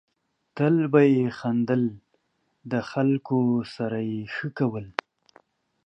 تل به یې خندل ، د خلکو سره یې ښه کول.